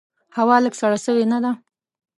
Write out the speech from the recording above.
هوا لږ سړه سوي نده؟